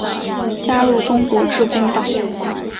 加入中国致公党。